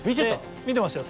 見てましたよ。